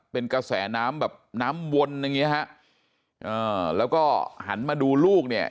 เป็นกระแสน้ำแบบน้ำวนอย่างเงี้ฮะอ่าแล้วก็หันมาดูลูกเนี่ย